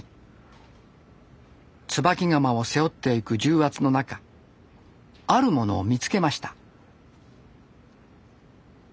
椿窯を背負っていく重圧の中あるものを見つけました。